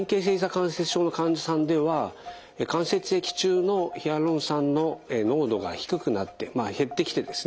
関節症の患者さんでは関節液中のヒアルロン酸の濃度が低くなって減ってきてですね